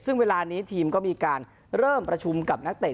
ซึ่งเวลานี้ทีมก็มีการเริ่มประชุมกับนักเตะ